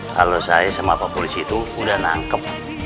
kalau saya sama pak polisi itu udah nangkep